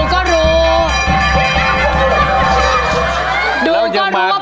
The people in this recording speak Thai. ขอบคุณครับ